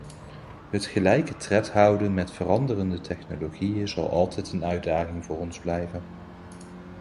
Het gelijke tred houden met veranderende technologieën zal altijd een uitdaging voor ons blijven.